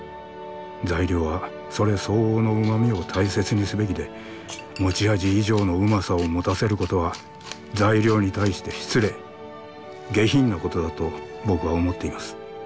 材料はそれ相応の旨みを大切にすべきで持ち味以上の旨さを持たせることは材料に対して失礼下品なことだと僕は思っています。